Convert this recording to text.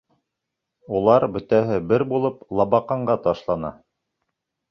Улар, бөтәһе бер булып, Лабаҡанға ташлана.